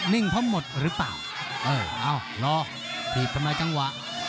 นิ่งเพราะหมดหรือเปล่าเออเอารอบีบทำลายจังหวะ